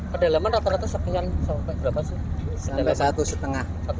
pada laman rata rata sepenyam sampai berapa sih